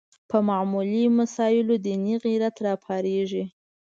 په معمولي مسایلو دیني غیرت راپارېږي